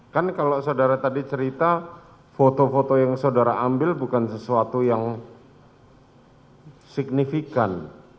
kan kalau saudara tadi cerita foto foto yang saudara ambil bukan sesuatu yang signifikan